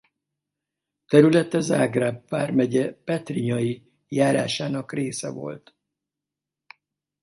Területe Zágráb vármegye Petrinyai járásának része volt.